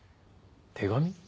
手紙？